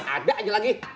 ada aja lagi